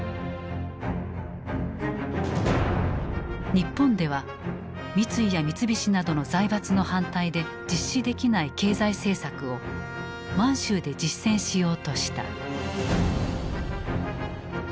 日本では三井や三菱などの財閥の反対で実施できない経済政策を満州で実践しようとした。